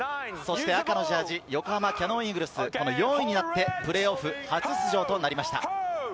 赤のジャージー・横浜キヤノンイーグルス、４位になってプレーオフ初出場となりました。